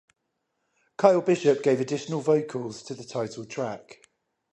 Kyle Bishop gave additional vocals to the title track.